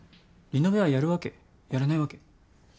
リノベはやるわけ？やらないわけ？